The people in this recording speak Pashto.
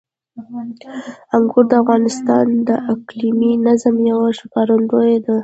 انګور د افغانستان د اقلیمي نظام یوه ښکارندوی ده.